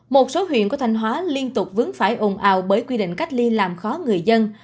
một số huyện của thanh hóa liên tục vướng phải ồn ào bởi quy định cách ly làm khó người dân